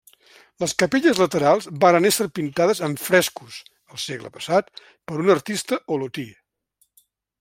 Les capelles laterals varen ésser pintades amb frescos, el segle passat, per un artista olotí.